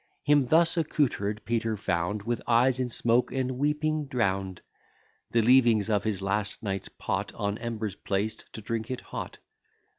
Him thus accoutred Peter found, With eyes in smoke and weeping drown'd; The leavings of his last night's pot On embers placed, to drink it hot.